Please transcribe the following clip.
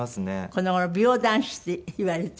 この頃美容男子っていわれて。